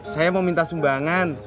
saya mau minta sumbangan